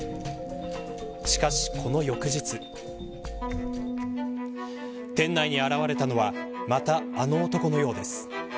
しかし、この翌日店内に現れたのはまた、あの男のようです。